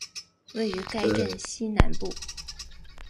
位于该镇西南部。